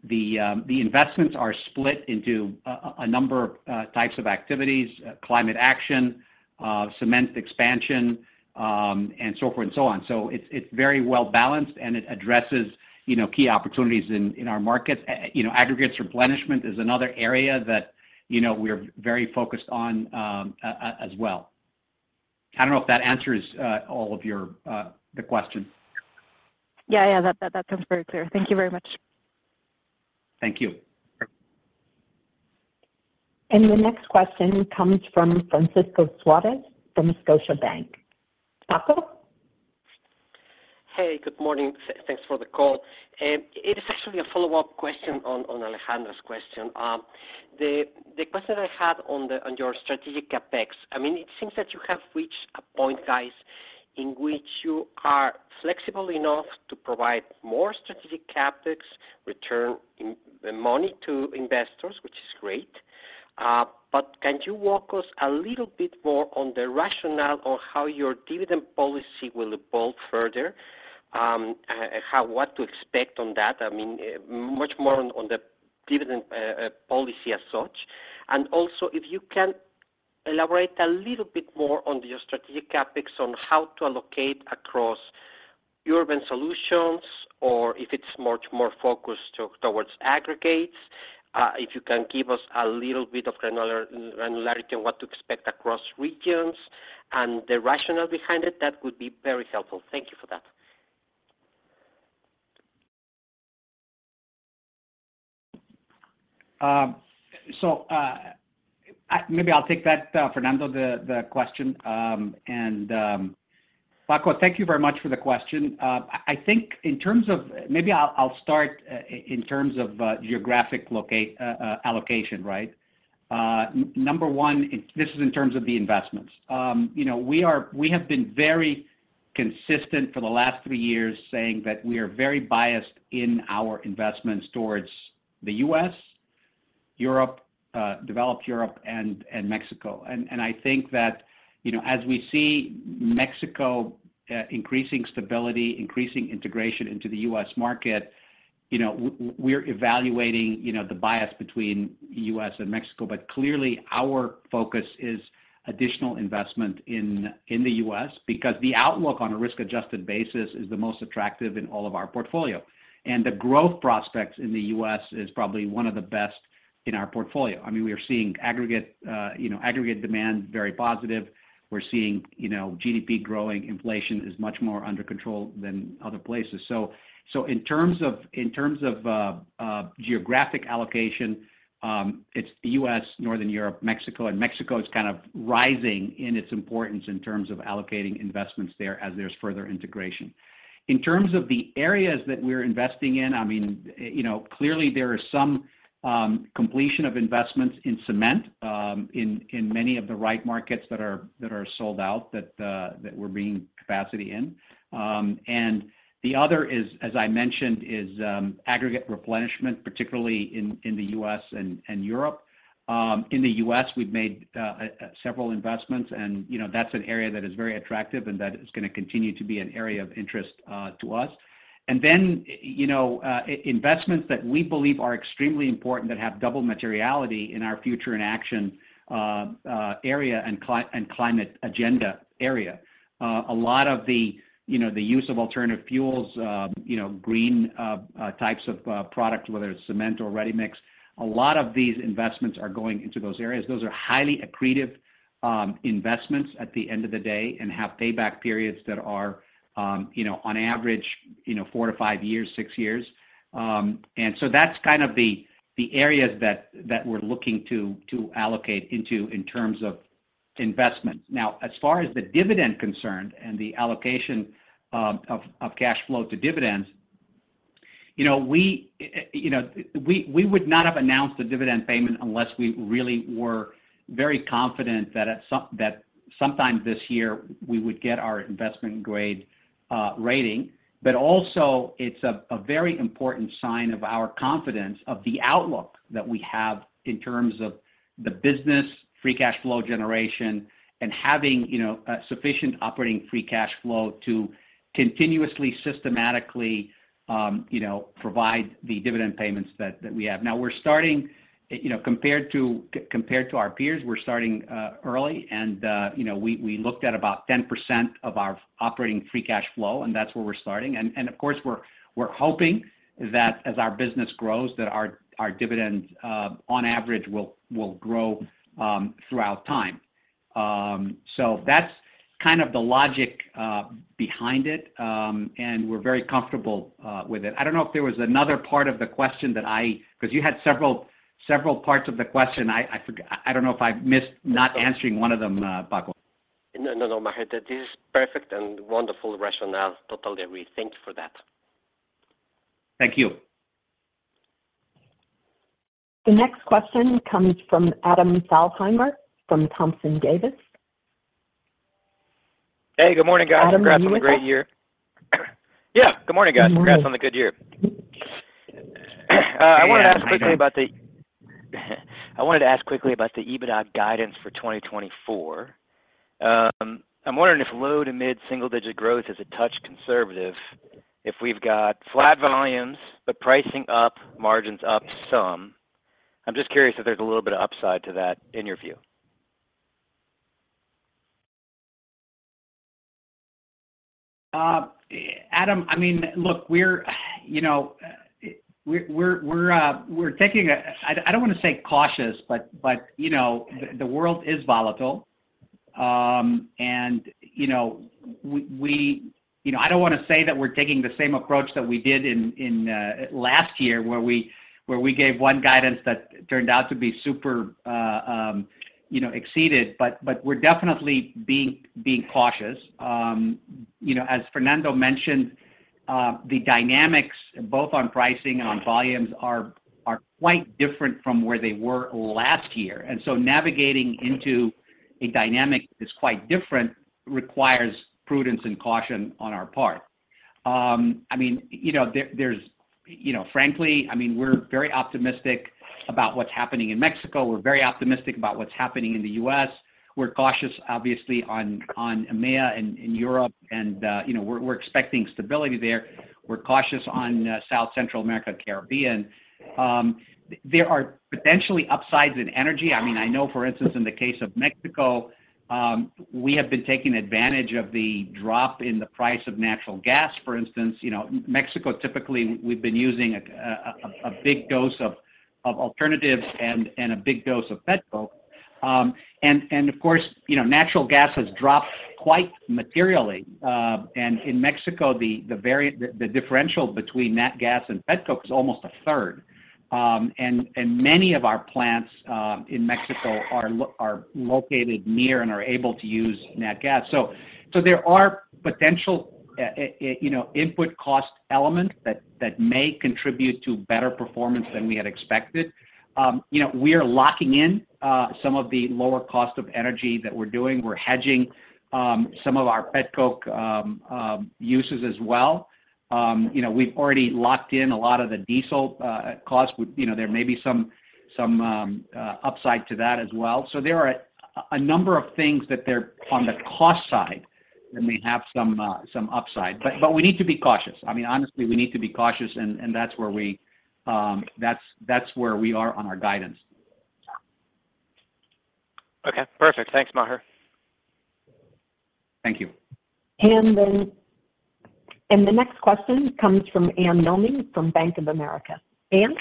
investments are split into a number of types of activities: climate action, cement expansion, and so forth and so on. So it's very well-balanced and it addresses, you know, key opportunities in our markets. You know, aggregates replenishment is another area that, you know, we're very focused on, as well. I don't know if that answers all of your the questions. Yeah, yeah, that sounds very clear. Thank you very much. Thank you. The next question comes from Francisco Suarez from Scotiabank. Paco? Hey, good morning. Thanks for the call. It is actually a follow-up question on Alejandra's question. The question I had on your strategic CapEx, I mean, it seems that you have reached a point, guys, in which you are flexible enough to provide more strategic CapEx, return the money to investors, which is great. But can you walk us a little bit more on the rationale on how your dividend policy will evolve further, and what to expect on that? I mean, much more on the dividend policy as such. And also, if you can elaborate a little bit more on your strategic CapEx, on how to allocate across urban solutions, or if it's much more focused towards aggregates. If you can give us a little bit of granularity on what to expect across regions and the rationale behind it, that would be very helpful. Thank you for that. So, maybe I'll take that, Fernando, the question. And, Paco, thank you very much for the question. I think in terms of... Maybe I'll start in terms of geographic allocation, right? Number one, and this is in terms of the investments. You know, we have been very consistent for the last three years, saying that we are very biased in our investments towards the U.S., Europe, developed Europe and Mexico. And I think that, you know, as we see Mexico increasing stability, increasing integration into the U.S. market, you know, we're evaluating the bias between U.S. and Mexico. But clearly, our focus is additional investment in the U.S., because the outlook on a risk-adjusted basis is the most attractive in all of our portfolio. The growth prospects in the U.S. is probably one of the best in our portfolio. I mean, we are seeing aggregate, you know, aggregate demand, very positive. We're seeing, you know, GDP growing, inflation is much more under control than other places. So in terms of geographic allocation, it's the U.S., Northern Europe, Mexico, and Mexico is kind of rising in its importance in terms of allocating investments there, as there's further integration. In terms of the areas that we're investing in, I mean, you know, clearly there are some completion of investments in cement in many of the right markets that are sold out that we're bringing capacity in. And the other is, as I mentioned, is aggregate replenishment, particularly in the U.S. and Europe. In the U.S, we've made several investments and, you know, that's an area that is very attractive and that is gonna continue to be an area of interest to us. Then, you know, investments that we believe are extremely important, that have double materiality in our Future in Action area and climate agenda area. A lot of the, you know, the use of alternative fuels, you know, green types of product, whether it's cement or ready mix, a lot of these investments are going into those areas. Those are highly accretive investments at the end of the day, and have payback periods that are, you know, on average, you know, four to five years, six years. And so that's kind of the areas that we're looking to allocate into in terms of investments. Now, as far as the dividend concerned and the allocation of cash flow to dividends, you know, we you know, we would not have announced the dividend payment unless we really were very confident that sometime this year, we would get our investment-grade rating. But also, it's a very important sign of our confidence of the outlook that we have in terms of the business, free cash flow generation, and having, you know, sufficient operating free cash flow to continuously, systematically, you know, provide the dividend payments that we have. Now, we're starting, you know, compared to our peers, we're starting early and, you know, we looked at about 10% of our operating free cash flow, and that's where we're starting. And, of course, we're hoping that as our business grows, that our dividends on average will grow throughout time. So that's kind of the logic behind it, and we're very comfortable with it. I don't know if there was another part of the question that I— Because you had several parts of the question, I forgot— I don't know if I missed not answering one of them, Paco. No, no, no, Maher, this is perfect and wonderful rationale. Totally agree. Thank you for that. Thank you. The next question comes from Adam Thalhimer, from Thompson Davis. Hey, good morning, guys. Congrats on a great year. Yeah, good morning, guys. Congrats on the good year. I wanted to ask quickly about the EBITDA guidance for 2024. I'm wondering if low- to mid-single-digit growth is a touch conservative if we've got flat volumes, but pricing up, margins up some. I'm just curious if there's a little bit of upside to that in your view? Adam, I mean, look, we're, you know, we're taking a... I don't wanna say cautious, but, you know, the world is volatile. And, you know, we're taking the same approach that we did in last year, where we gave one guidance that turned out to be super, you know, exceeded, but we're definitely being cautious. You know, as Fernando mentioned, the dynamics, both on pricing and on volumes are quite different from where they were last year. And so navigating into a dynamic that's quite different requires prudence and caution on our part. I mean, you know, frankly, I mean, we're very optimistic about what's happening in Mexico. We're very optimistic about what's happening in the U.S. We're cautious, obviously, on EMEA and Europe, and you know, we're expecting stability there. We're cautious on South Central America, Caribbean. There are potentially upsides in energy. I mean, I know, for instance, in the case of Mexico, we have been taking advantage of the drop in the price of natural gas, for instance. You know, Mexico, typically, we've been using a big dose of alternatives and a big dose of petcoke. And of course, you know, natural gas has dropped quite materially. And in Mexico, the differential between nat gas and petcoke is almost 1/3. And many of our plants in Mexico are located near and are able to use nat gas. So there are potential, you know, input cost elements that may contribute to better performance than we had expected. You know, we are locking in some of the lower cost of energy that we're doing. We're hedging some of our petcoke uses as well. You know, we've already locked in a lot of the diesel cost. You know, there may be some upside to that as well. So there are a number of things that are on the cost side that may have some upside. But we need to be cautious. I mean, honestly, we need to be cautious, and that's where we are on our guidance. Okay, perfect. Thanks, Maher. Thank you. And then... And the next question comes from Anne Milne from Bank of America. Anne?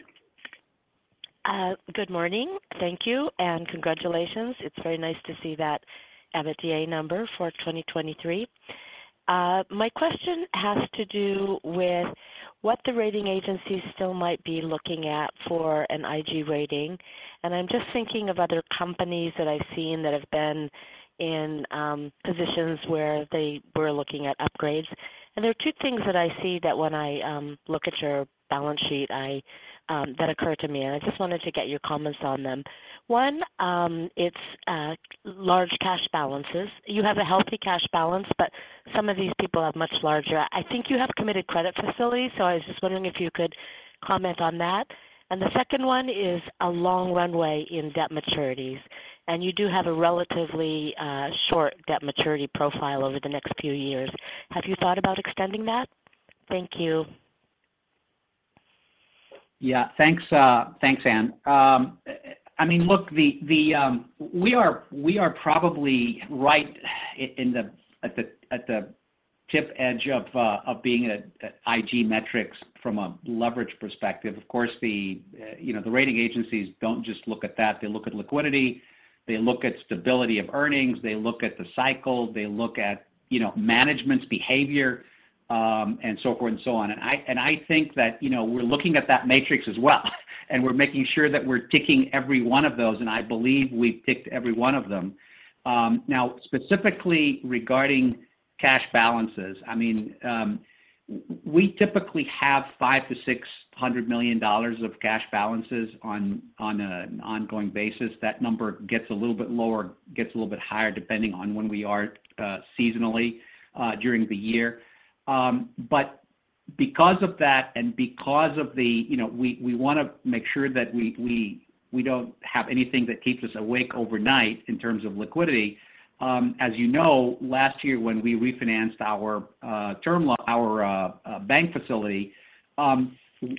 Good morning. Thank you, and congratulations. It's very nice to see that EBITDA number for 2023. My question has to do with what the rating agencies still might be looking at for an IG rating. And I'm just thinking of other companies that I've seen that have been in positions where they were looking at upgrades. And there are two things that I see that when I look at your balance sheet that occur to me, and I just wanted to get your comments on them. One, it's large cash balances. You have a healthy cash balance, but some of these people have much larger. I think you have committed credit facilities, so I was just wondering if you could comment on that. The second one is a long runway in debt maturities, and you do have a relatively short debt maturity profile over the next few years. Have you thought about extending that? Thank you. Yeah. Thanks, thanks, Anne. I mean, look, we are probably right in the at the tip edge of being at IG metrics from a leverage perspective. Of course, you know, the rating agencies don't just look at that. They look at liquidity, they look at stability of earnings, they look at the cycle, they look at, you know, management's behavior, and so forth and so on. And I think that, you know, we're looking at that matrix as well, and we're making sure that we're ticking every one of those, and I believe we've ticked every one of them. Now, specifically regarding cash balances, I mean, we typically have $500 million-$600 million of cash balances on an ongoing basis. That number gets a little bit lower, gets a little bit higher, depending on when we are, seasonally, during the year. But because of that and because of the... You know, we wanna make sure that we don't have anything that keeps us awake overnight in terms of liquidity. As you know, last year when we refinanced our bank facility,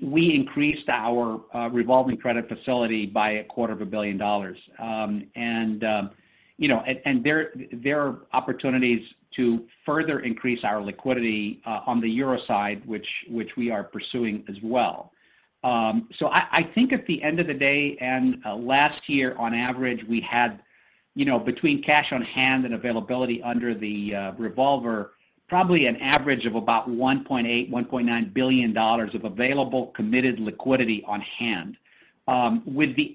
we increased our revolving credit facility by $250 million. And, you know, and there are opportunities to further increase our liquidity, on the Euro side, which we are pursuing as well. So I think at the end of the day, and last year, on average, we had, you know, between cash on hand and availability under the revolver, probably an average of about $1.8-$1.9 billion of available committed liquidity on hand. With the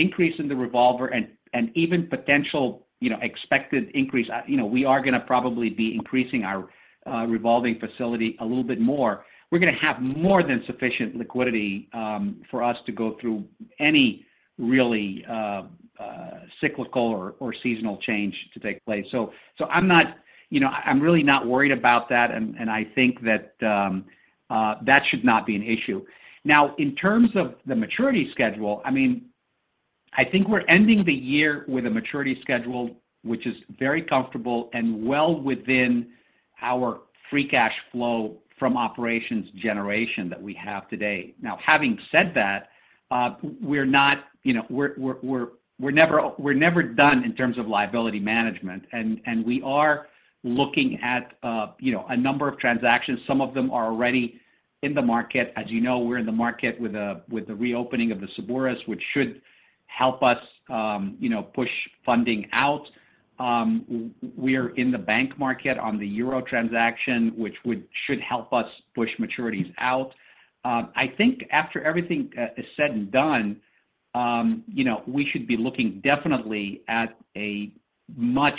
increase in the revolver and even potential, you know, expected increase, you know, we are gonna probably be increasing our revolving facility a little bit more. We're gonna have more than sufficient liquidity for us to go through any really cyclical or seasonal change to take place. So I'm not, you know, I'm really not worried about that, and I think that that should not be an issue. Now, in terms of the maturity schedule, I mean, I think we're ending the year with a maturity schedule, which is very comfortable and well within our free cash flow from operations generation that we have today. Now, having said that, we're not, you know, we're never done in terms of liability management, and we are looking at, you know, a number of transactions. Some of them are already in the market. As you know, we're in the market with a, with the reopening of the Cebures, which should help us, you know, push funding out. We are in the bank market on the Euro transaction, which should help us push maturities out. I think after everything is said and done, you know, we should be looking definitely at a much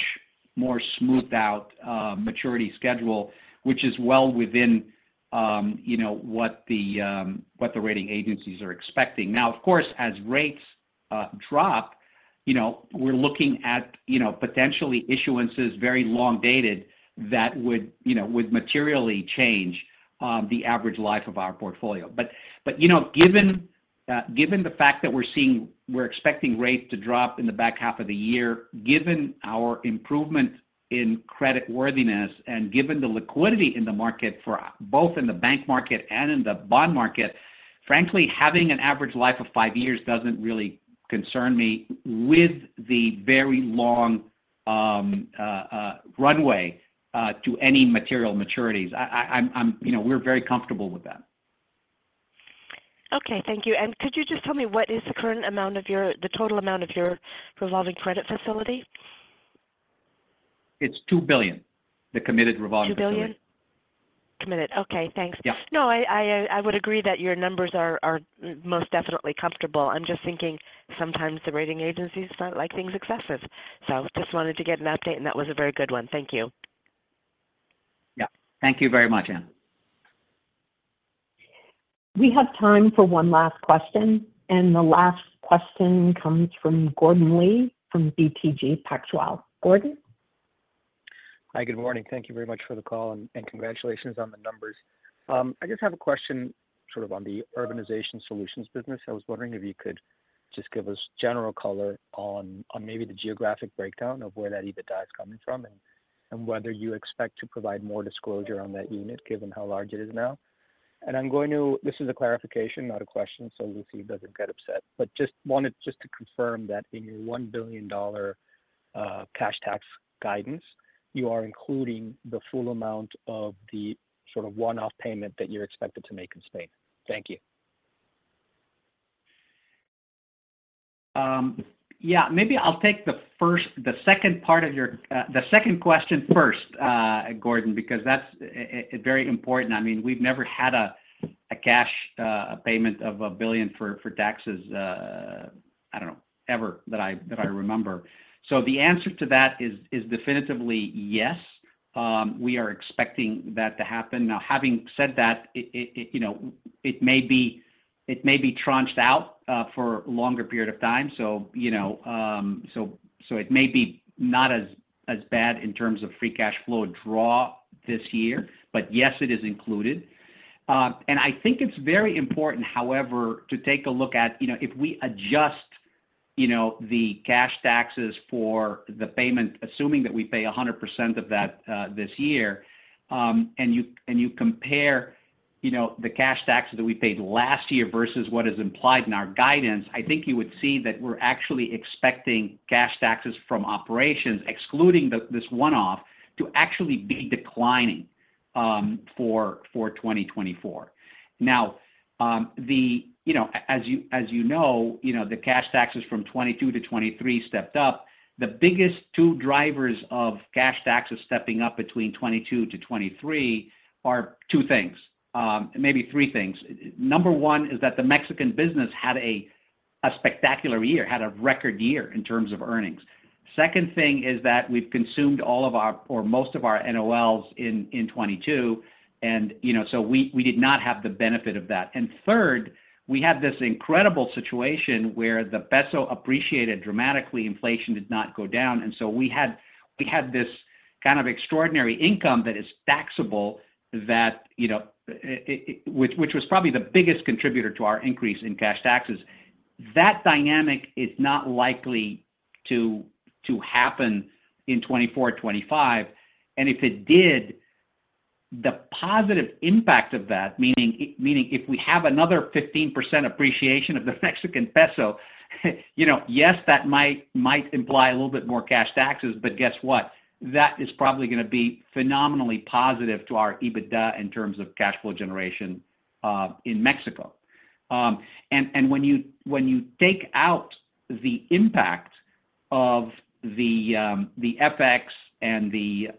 more smoothed out maturity schedule, which is well within, you know, what the rating agencies are expecting. Now, of course, as rates drop, you know, we're looking at, you know, potentially issuances very long dated that would, you know, would materially change the average life of our portfolio. But you know, given the fact that we're expecting rates to drop in the back half of the year, given our improvement in creditworthiness, and given the liquidity in the market for both in the bank market and in the bond market, frankly, having an average life of five years doesn't really concern me with the very long runway to any material maturities. you know, we're very comfortable with that. Okay, thank you. And could you just tell me what is the current amount of your—the total amount of your revolving credit facility? It's $2 billion, the committed revolving facility. $2 billion? Committed. Okay, thanks. Yeah. No, I would agree that your numbers are most definitely comfortable. I'm just thinking sometimes the rating agencies like things excessive. So just wanted to get an update, and that was a very good one. Thank you. Yeah. Thank you very much, Anne. We have time for one last question, and the last question comes from Gordon Lee, from BTG Pactual. Gordon? Hi, good morning. Thank you very much for the call, and congratulations on the numbers. I just have a question sort of on the Urbanization Solutions business. I was wondering if you could just give us general color on maybe the geographic breakdown of where that EBITDA is coming from, and whether you expect to provide more disclosure on that unit, given how large it is now. I'm going to... This is a clarification, not a question, so Lucy doesn't get upset, but I wanted to confirm that in your $1 billion cash tax guidance, you are including the full amount of the one-off payment that you're expected to make in Spain. Thank you. Yeah, maybe I'll take the first-- the second part of your, the second question first, Gordon, because that's very important. I mean, we've never had a cash payment of $1 billion for taxes, I don't know, ever, that I remember. So the answer to that is definitively yes, we are expecting that to happen. Now, having said that, you know, it may be tranched out for a longer period of time. So, you know, it may be not as bad in terms of free cash flow draw this year, but yes, it is included. I think it's very important, however, to take a look at, you know, if we adjust, you know, the cash taxes for the payment, assuming that we pay 100% of that this year, and you, and you compare, you know, the cash taxes that we paid last year versus what is implied in our guidance, I think you would see that we're actually expecting cash taxes from operations, excluding this one-off, to actually be declining for 2024. Now, you know, as you know, the cash taxes from 2022 to 2023 stepped up. The biggest two drivers of cash taxes stepping up between 2022 to 2023 are two things, maybe three things. Number one is that the Mexican business had a spectacular year, had a record year in terms of earnings. Second thing is that we've consumed all of our or most of our NOLs in 2022, and, you know, so we did not have the benefit of that. And third, we have this incredible situation where the peso appreciated dramatically, inflation did not go down, and so we had this kind of extraordinary income that is taxable, that, you know, which was probably the biggest contributor to our increase in cash taxes. That dynamic is not likely to happen in 2024, 2025, and if it did, the positive impact of that, meaning, if we have another 15% appreciation of the Mexican peso, you know, yes, that might imply a little bit more cash taxes, but guess what? That is probably gonna be phenomenally positive to our EBITDA in terms of cash flow generation in Mexico. and when you take out the impact of the FX and the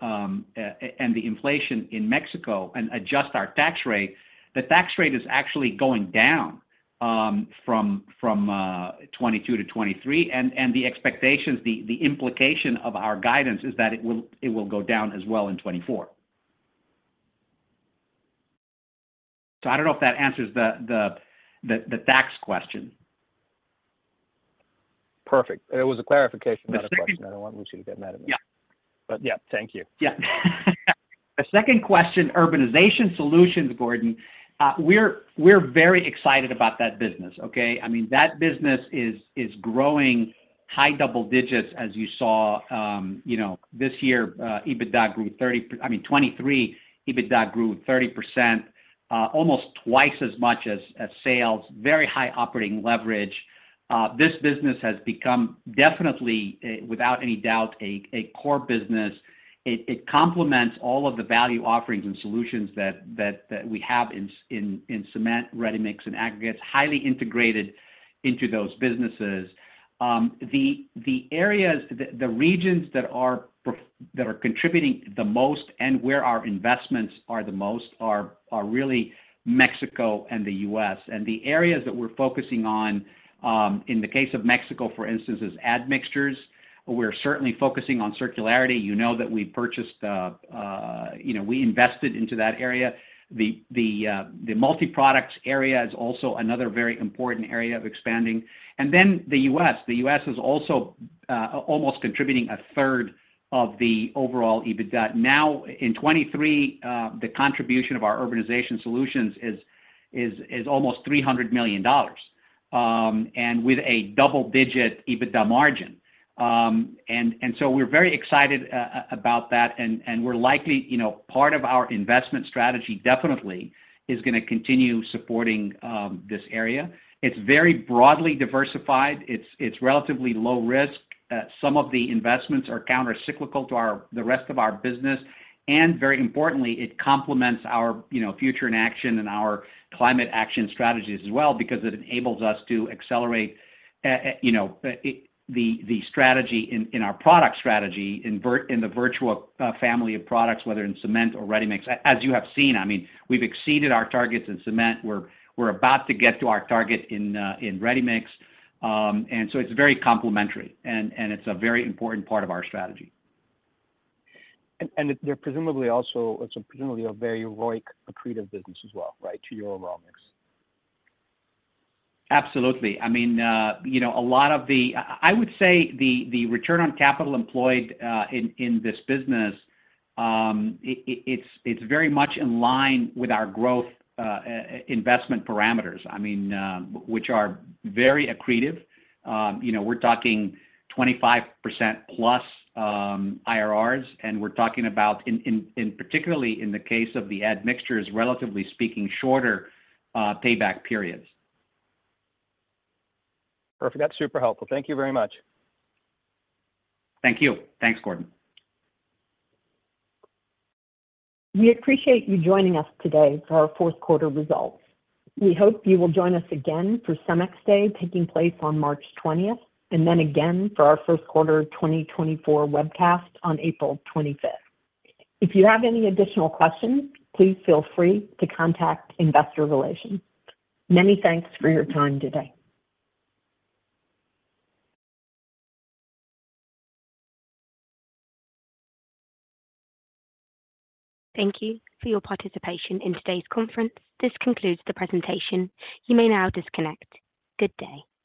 inflation in Mexico and adjust our tax rate, the tax rate is actually going down from 2022 to 2023. And the expectations, the implication of our guidance is that it will go down as well in 2024... So I don't know if that answers the tax question. Perfect. It was a clarification, not a question. I don't want Lucy to get mad at me. Yeah. Yeah, thank you. Yeah. The second question, Urbanization Solutions, Gordon. We're very excited about that business, okay? I mean, that business is growing high double digits, as you saw. You know, this year, EBITDA grew 30, I mean, 23. EBITDA grew 30%, almost twice as much as sales. Very high operating leverage. This business has become definitely, without any doubt, a core business. It complements all of the value offerings and solutions that we have in cement, ready-mix, and aggregates, highly integrated into those businesses. The areas, the regions that are contributing the most and where our investments are the most are really Mexico and the U.S. The areas that we're focusing on, in the case of Mexico, for instance, is admixtures. We're certainly focusing on circularity. You know that we purchased, you know, we invested into that area. The multi-product area is also another very important area of expanding. And then the U.S., the U.S. is also almost contributing a third of the overall EBITDA. Now, in 2023, the contribution of our Urbanization Solutions is almost $300 million, and with a double-digit EBITDA margin. And so we're very excited about that, and we're likely... You know, part of our investment strategy definitely is gonna continue supporting this area. It's very broadly diversified. It's relatively low risk. Some of the investments are countercyclical to our, the rest of our business, and very importantly, it complements our, you know, Future in Action and our climate action strategies as well because it enables us to accelerate, you know, the strategy in our product strategy, in Vertua, the family of products, whether in cement or ready-mix. As you have seen, I mean, we've exceeded our targets in cement. We're about to get to our target in ready-mix. And so it's very complementary, and it's a very important part of our strategy. They're presumably also—it's presumably a very ROIC accretive business as well, right? To your overall mix. Absolutely. I mean, you know, a lot of the... I would say the return on capital employed, in this business, it's very much in line with our growth, investment parameters. I mean, which are very accretive. You know, we're talking 25%+, IRRs, and we're talking about in particularly in the case of the admixtures, relatively speaking, shorter payback periods. Perfect. That's super helpful. Thank you very much. Thank you. Thanks, Gordon. We appreciate you joining us today for our fourth quarter results. We hope you will join us again for CEMEX Day, taking place on March 20th, and then again for our first quarter 2024 webcast on April 25th. If you have any additional questions, please feel free to contact investor relations. Many thanks for your time today. Thank you for your participation in today's conference. This concludes the presentation. You may now disconnect. Good day!